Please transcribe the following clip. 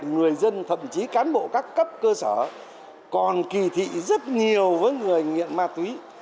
người dân thậm chí cán bộ các cấp cơ sở còn kỳ thị rất nhiều với người nghiện ma túy